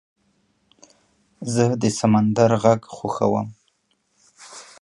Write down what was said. زه د سمندر غږ خوښوم.